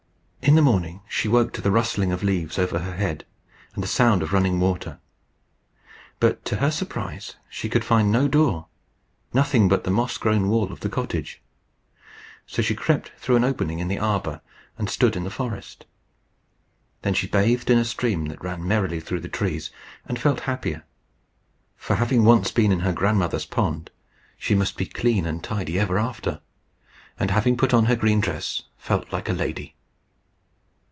In the morning she woke to the rustling of leaves over her head, and the sound of running water. But, to her surprise, she could find no door nothing but the moss grown wall of the cottage. So she crept through an opening in the arbour, and stood in the forest. Then she bathed in a stream that ran merrily through the trees, and felt happier; for having once been in her grandmother's pond, she must be clean and tidy ever after; and, having put on her green dress, felt like a lady.